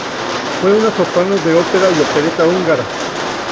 Fue una soprano de ópera y opereta húngara.